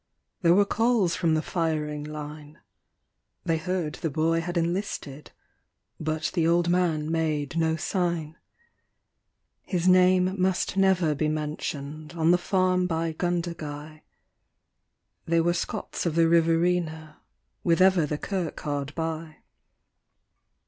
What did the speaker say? There were calls from the firing line; They heard the boy had enlisted, but the old man made no sign. His name must never be mentioned on the farm by Gundagai They were Scots of the Riverina with ever the kirk hard by.